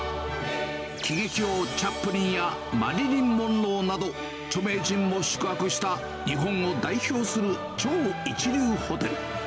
喜劇王チャップリンや、マリリン・モンローなど、著名人も宿泊した、日本を代表する超一流ホテル。